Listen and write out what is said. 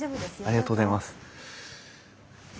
ありがとうございます。